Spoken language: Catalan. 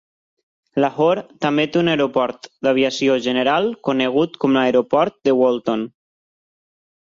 Lahore també té un aeroport d'aviació general conegut com aeroport de Walton.